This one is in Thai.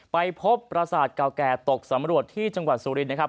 ไปพบประสาทเก่าแก่ตกสำรวจที่จังหวัดสุรินนะครับ